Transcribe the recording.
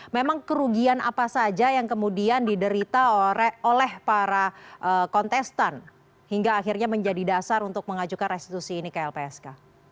memang kerugian apa saja yang kemudian diderita oleh para kontestan hingga akhirnya menjadi dasar untuk mengajukan restitusi ini ke lpsk